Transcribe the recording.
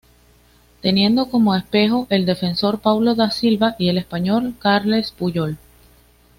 Teniendo como espejo al defensor Paulo da Silva y al español Carles Puyol.